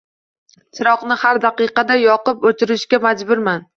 Chiroqni har daqiqada yoqib-o‘chirishga majburman.